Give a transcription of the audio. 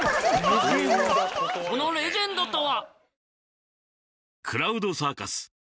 そのレジェンドとは？